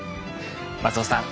松尾さん